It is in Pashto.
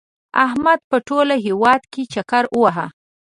احمد په ټول هېواد کې چکر ووهه.